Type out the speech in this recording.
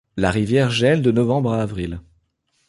La rivière gèle de novembre à avril.